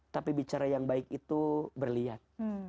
tapi bicara yang baik itu berlian